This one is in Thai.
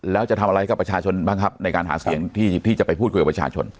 แล้วจะทำอะไรกับประชาชนบ้างครับในการหาเสียงที่จะไปพูดคุยกับประชาชน